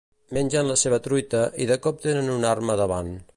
Mengen la seva truita i de cop tenen una arma davant.